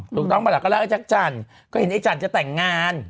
ตรงนั้นมาแล้วก็รักไอ้จักรจันทร์ก็เห็นไอ้จันทร์จะแต่งงาน